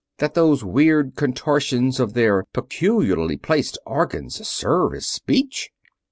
That those weird contortions of their peculiarly placed organs serve as speech?"